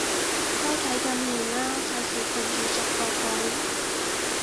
開啟禁言啦，費事群主逐個講